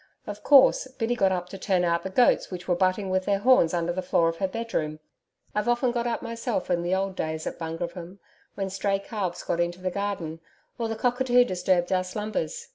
Of course, Biddy got up to turn out the goats which were butting with their horns under the floor of her bedroom. I've often got up myself in the old days at Bungroopim, when stray calves got into the garden, or the cockatoo disturbed our slumbers.